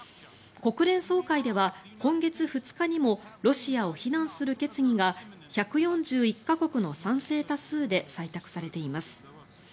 国連総会では今月２日にもロシアを非難する決議が１４１か国の賛成多数で採択されています。